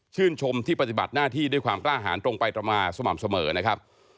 ชมที่ปฏิบัติหน้าที่ด้วยความกล้าหารตรงไปตรงมาสม่ำเสมอนะครับ